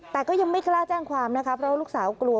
แต่ก็ยังไม่กล้าแจ้งความนะคะเพราะว่าลูกสาวกลัว